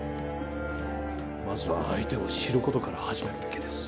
まずは相手を知ることから始めるべきです。